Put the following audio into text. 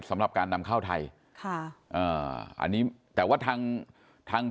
สำหรับการนำเข้าไทยอันนี้แถวะทาง